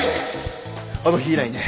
あの日以来ね